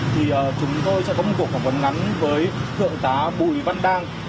thì chúng tôi sẽ có một cuộc phỏng vấn ngắn với thượng tá bùi văn đang